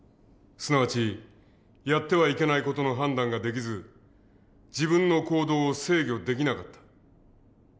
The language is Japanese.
すなわちやってはいけない事の判断ができず自分の行動を制御できなかった。